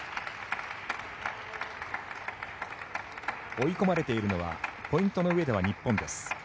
追い込まれているのはポイントのうえでは日本です。